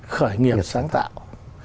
khởi nghiệp sáng tạo